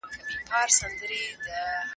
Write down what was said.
د کابل درد د هغې په زړه کې دی.